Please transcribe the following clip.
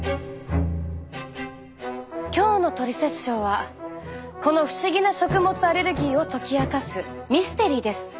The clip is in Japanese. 今日の「トリセツショー」はこの不思議な食物アレルギーを解き明かすミステリーです。